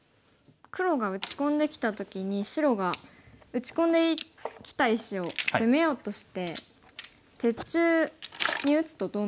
黒が打ち込んできた時に白が打ち込んできた石を攻めようとして鉄柱に打つとどうなるんでしょうか。